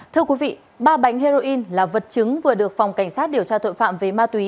thưa quý vị ba bánh heroin là vật chứng vừa được phòng cảnh sát điều tra tội phạm về ma túy